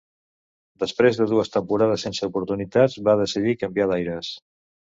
Després de dues temporades sense oportunitats va decidir canviar d'aires.